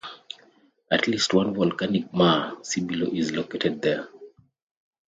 At least one volcanic maar (see below) is located there.